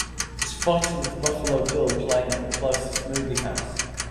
Is Fighting With Buffalo Bill playing at the closest movie house